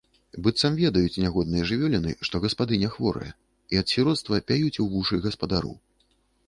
Быццам ведаюць нягодныя жывёліны, што гаспадыня хворая, і ад сіроцтва пяюць у вушы гаспадару.